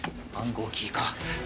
暗号キーか。